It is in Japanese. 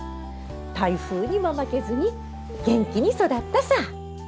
台風にも負けずに元気に育ったさ。